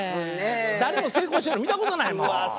誰も成功しよるの見た事ないもん。